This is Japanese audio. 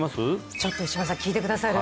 ちょっと石丸さん聞いてくださる？